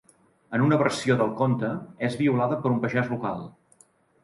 En una versió del conte és violada per un pagès local.